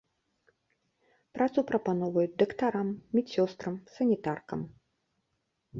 Працу прапаноўваюць дактарам, медсёстрам, санітаркам.